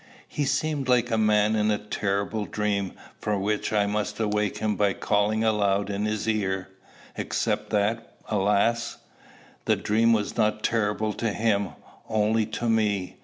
He seemed like a man in a terrible dream, from which I must awake him by calling aloud in his ear except that, alas! the dream was not terrible to him, only to me!